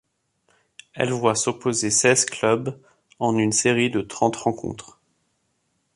Elle voit s'opposer seize clubs en une série de trente rencontres.